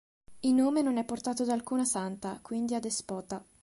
Il nome non è portato da alcuna santa, quindi è adespota.